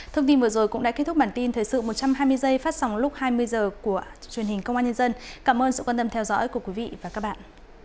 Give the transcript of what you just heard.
thông tin vừa rồi cũng đã kết thúc bản tin thời sự một trăm hai mươi giây phát sóng lúc hai mươi h của truyền hình công an nhân dân cảm ơn sự quan tâm theo dõi của quý vị và các bạn